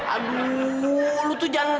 aduh lo tuh jangan